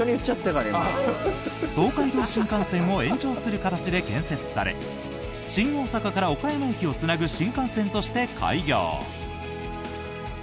東海道新幹線を延長する形で建設され新大阪から岡山駅をつなぐ新幹線として開業。